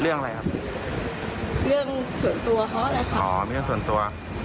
เรื่องอะไรครับเรื่องส่วนตัวเขาอะไรครับอ๋อเรื่องส่วนตัว